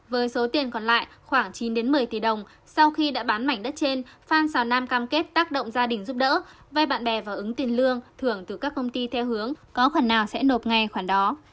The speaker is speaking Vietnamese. với số tiền còn lại khoảng chín một mươi tỷ đồng sau khi đã bán mảnh đất trên phan xào nam cam kết tác động gia đình giúp đỡ vay bạn bè và ứng tiền lương thưởng từ các công ty theo hướng có khả năng sẽ nộp ngay khoản đó